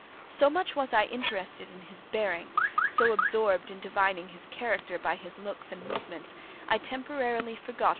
So much was I interested in his bearing, so absorbed in divining his character by his looks and movements, I temporarily forgot M.